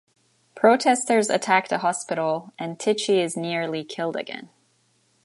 Protesters attack the hospital, and Tichy is nearly killed again.